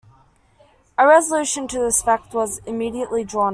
A resolution to this effect was immediately drawn up.